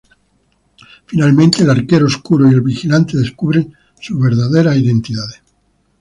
Finalmente, el Arquero Oscuro y el Vigilante descubren sus verdaderas identidades.